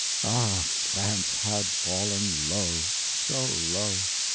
Ah, France had fallen low—so low!